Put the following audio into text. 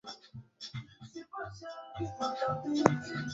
Mambo mema niegheshea, maovu nisitamani.